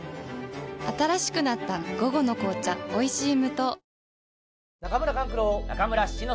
新しくなった「午後の紅茶おいしい無糖」